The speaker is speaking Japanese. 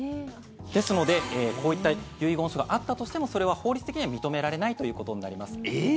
ですので、こういった遺言書があったとしてもそれは法律的には認められないということになります。